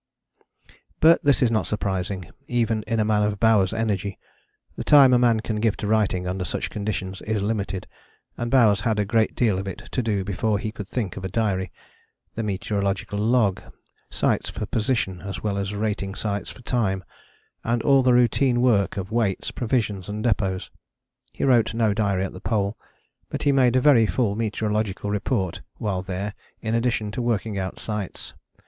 But this is not surprising, even in a man of Bowers' energy. The time a man can give to writing under such conditions is limited, and Bowers had a great deal of it to do before he could think of a diary the meteorological log; sights for position as well as rating sights for time; and all the routine work of weights, provisions and depôts. He wrote no diary at the Pole, but he made a very full meteorological report while there in addition to working out sights.